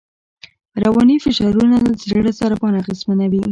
رواني فشارونه د زړه ضربان اغېزمنوي.